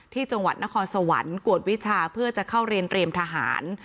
ที่จังหวัดนครสวรรค์กวดวิชาเพื่อจะเข้าเรียนเตรียมทหาร